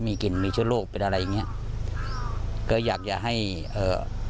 มีกลิ่นมีเชื้อโรคเป็นอะไรอย่างเงี้ยก็อยากจะให้เอ่อ